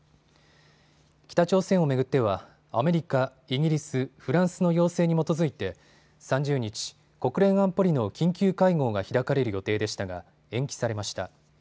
北朝鮮を巡ってはアメリカ、イギリス、フランスの要請に基づいて３０日、国連安保理の緊急会合が開かれる予定でしたが延期されました。